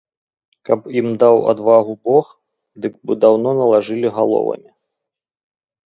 Каб ім даў адвагу бог, дык бы даўно налажылі галовамі.